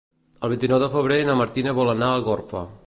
El vint-i-nou de febrer na Martina vol anar a Algorfa.